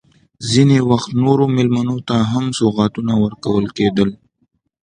ځینې وخت نورو مېلمنو ته هم سوغاتونه ورکول کېدل.